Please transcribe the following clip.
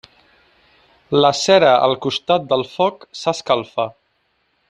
La cera al costat del foc s'escalfa.